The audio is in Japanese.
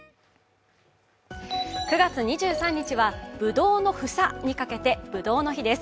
９月２３日はぶどうの房にかけてぶどうの日です。